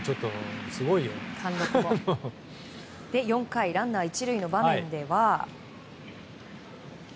４回ランナー１塁の場面では。